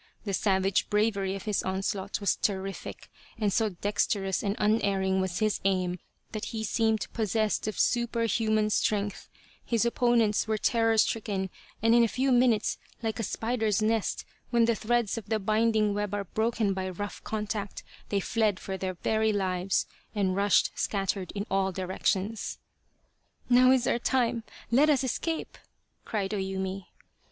The savage bravery of his onslaught was terrific, and so dexterous and unerring was his aim that he seemed possessed of superhuman strength : his op ponents were terror stricken, and in a few minutes, like a spider's nest, when the threads of the binding web are broken by rough contact, they fled for their very lives and rushed scattered in all directions. " Now is our time ! Let us escape !" cried OYumi.